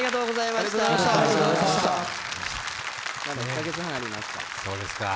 まだ１か月半ありますから。